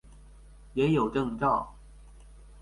也有證照